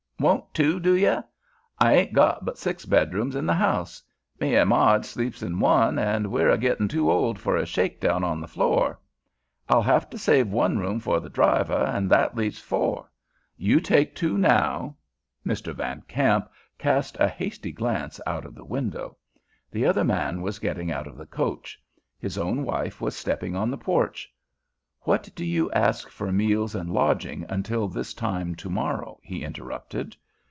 "Won't two do ye? I ain't got but six bedrooms in th' house. Me an' Marg't sleeps in one, an' we're a gittin' too old fer a shake down on th' floor. I'll have t' save one room fer th' driver, an' that leaves four. You take two now— " Mr. Van Kamp cast a hasty glance out of the window, The other man was getting out of the coach. His own wife was stepping on the porch. "What do you ask for meals and lodging until this time to morrow?" he interrupted.